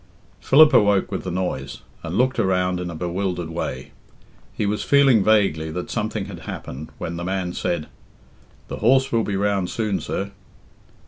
Philip awoke with the noise, and looked around in a bewildered way. He was feeling vaguely that something had happened, when the man said "The horse will be round soon, sir."